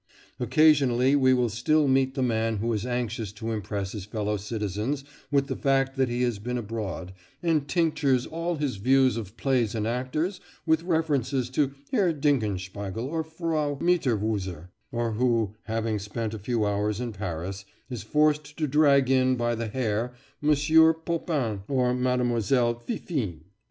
Occasionally we will still meet the man who is anxious to impress his fellow citizens with the fact that he has been abroad, and tinctures all his views of plays and actors with references to Herr Dinkelspiegel or Frau Mitterwoorzer; or who, having spent a few hours in Paris, is forced to drag in by the hair Monsieur Popin or Mademoiselle Fifine.